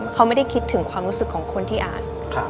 เขาไม่ได้คิดถึงความรู้สึกของคนที่อ่าน